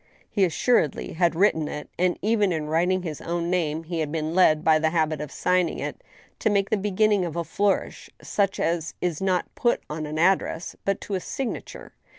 He assuredly had written it, and even in writing his own name he had been led, by the habit of sign "^ ing it, to niake the beginning of a flourish such as is not put on an address, but to a signature.